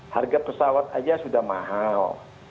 harga pesawat saja sudah mahal